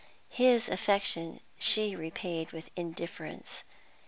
His affection she repaid with indifference.